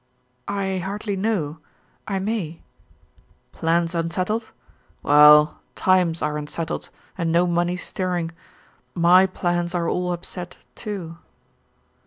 "I hardly know. I may." "Plans unsettled? Well, times are unsettled and no money stirring. My plans are all upset, too."